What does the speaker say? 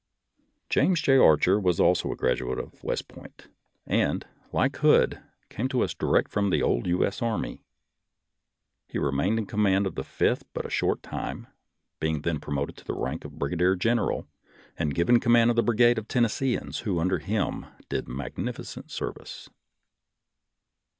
Jas. J. Archer was also a graduate of West INTRODUCTION 11 Point, and, like Hood, came to us direct from the old U. S. Army. He remained in command of the Fifth but a short time, being then promoted to the rank of brigadier general and given com mand of a brigade of Tennesseeans, who under him did magnificent service.